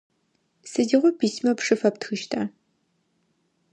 Сыдигъо письмэ пшы фэптхыщта?